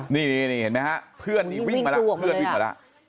นี่เห็นไหมครับเพื่อนวิ่งมาแล้ว